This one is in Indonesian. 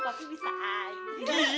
nah papi bisa air